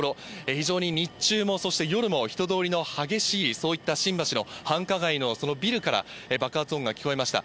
非常に日中も、そして夜も人通りの激しい、そういった新橋の繁華街のそのビルから、爆発音が聞こえました。